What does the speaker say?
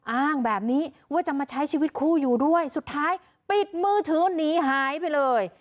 อ้างแบบนี้ว่าจะมาใช้ชีวิตคู่อยู่ด้วยสุดท้ายปิดมือถือหนีหายไปเลย